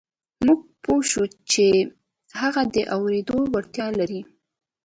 موږ پوه شوو چې هغه د اورېدو وړتیا لري